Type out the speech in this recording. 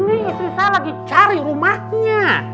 ini istri saya lagi cari rumahnya